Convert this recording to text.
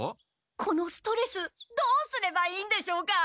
このストレスどうすればいいんでしょうか？